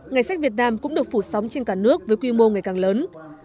ngày sách việt nam cũng được phủ sóng trên cả nước với quy mô ngày càng lớn